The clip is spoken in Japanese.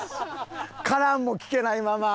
「カラン」も聞けないまま。